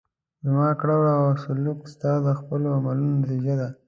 زما کړه وړه او سلوک ستا د خپلو عملونو نتیجه ده.